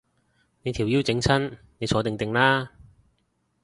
你條腰整親，你坐定定啦